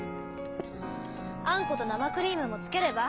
あんこと生クリームもつければ？